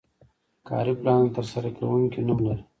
کاري پلان د ترسره کوونکي نوم لري.